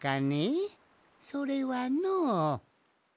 それはの。